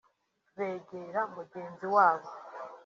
begera mugenzi wabo